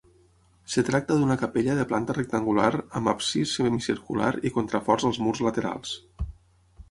Es tracta d'una capella de planta rectangular amb absis semicircular i contraforts als murs laterals.